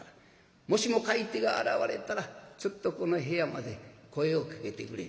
もしも買い手が現れたらちょっとこの部屋まで声をかけてくれ」。